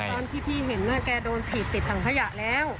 ตอนที่พี่เห็นแกโดนถีบติดถังขยะแล้ว